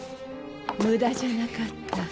無駄じゃなかった。